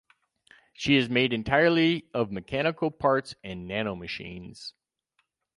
She is made entirely of mechanical parts and nanomachines.